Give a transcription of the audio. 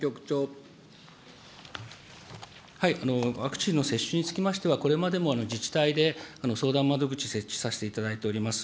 ワクチンの接種につきましては、これまでも自治体で相談窓口設置させていただいております。